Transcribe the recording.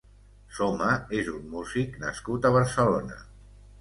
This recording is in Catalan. Soma és un músic nascut a Barcelona.